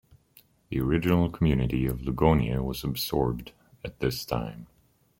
The original community of Lugonia was absorbed at this time.